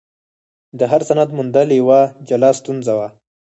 د هر سند موندل یوه جلا ستونزه وه.